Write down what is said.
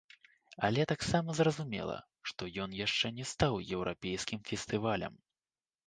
Але таксама зразумела, што ён яшчэ не стаў еўрапейскім фестывалем.